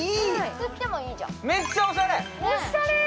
つってもいいじゃんめっちゃおしゃれ！